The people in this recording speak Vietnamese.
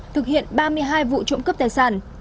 thực hiện ba mươi hai vụ trộm cắp tài sản